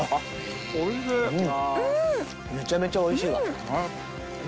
めちゃめちゃおいしいわ。